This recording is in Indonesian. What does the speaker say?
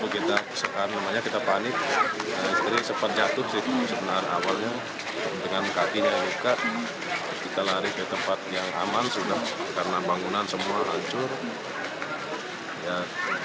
kita sebenarnya di sana di atas gunung gunung